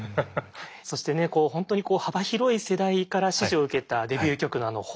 そしてね本当に幅広い世代から支持を受けたデビュー曲の「ｈｏｍｅ」。